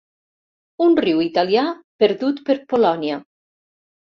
Un riu italià perdut per Polònia.